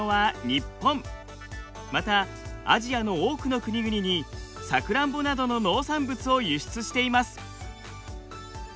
またアジアの多くの国々にさくらんぼなどの農産物を輸出しています。